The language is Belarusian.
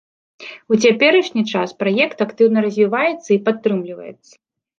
У цяперашні час праект актыўна развіваецца і падтрымліваецца.